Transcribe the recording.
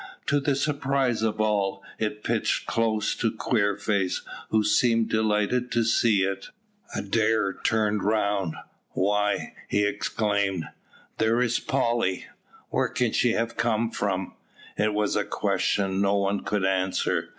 To the surprise of all, it pitched close to Queerface, who seemed delighted to see it. Adair turned round. "Why," he exclaimed, "there is Polly. Where can she have come from?" It was a question no one could answer.